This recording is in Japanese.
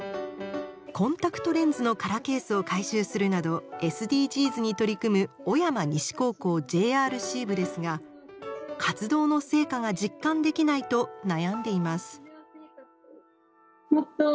コンタクトレンズの空ケースを回収するなどＳＤＧｓに取り組む小山西高校ＪＲＣ部ですが活動の成果が実感できないと悩んでいます。